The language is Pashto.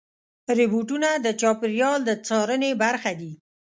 روبوټونه د چاپېریال د څارنې برخه دي.